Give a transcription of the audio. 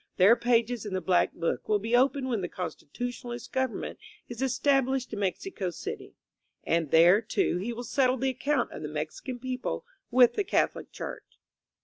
Their pages in the black book will be opened when the Constitutionalist government is established in Mexico City; and there, too, he will settle the account of the Mexican people with the Catholic Church.